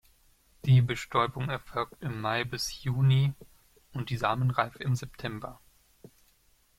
Die Bestäubung erfolgt im Mai bis Juni und die Samenreife im September.